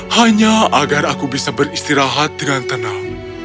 hanya agar aku bisa beristirahat dengan tenang